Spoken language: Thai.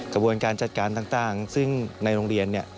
กระบวนการจัดการต่างซึ่งในโรงเรียนเนี่ย